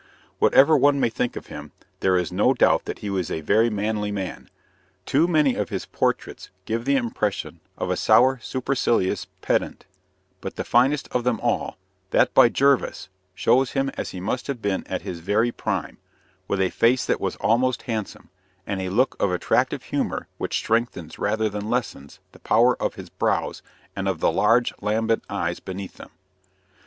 Whatever one may think of him, there is no doubt that he was a very manly man. Too many of his portraits give the impression of a sour, supercilious pedant; but the finest of them all that by Jervas shows him as he must have been at his very prime, with a face that was almost handsome, and a look of attractive humor which strengthens rather than lessens the power of his brows and of the large, lambent eyes beneath them.